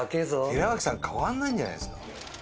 寺脇さん変わらないんじゃないですか？